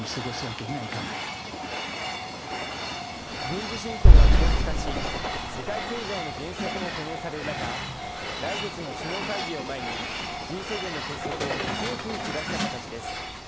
軍事侵攻が長期化し、世界経済の減速も懸念される中、来月の首脳会議を前に、Ｇ７の結束を強く打ち出した形です。